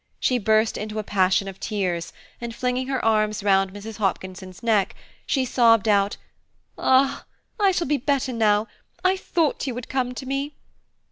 She burst into a passion of tears, and, flinging her arms round Mrs. Hopkinson's neck, she sobbed out, "Ah! I shall be better now–I thought you would come to me."